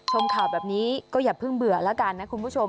ชมข่าวแบบนี้ก็อย่าเพิ่งเบื่อแล้วกันนะคุณผู้ชม